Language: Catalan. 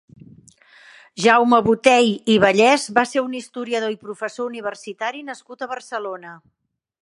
Jaume Botey i Vallès va ser un historiador i professor universitari nascut a Barcelona.